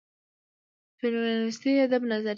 فيمينستى ادبى نظريه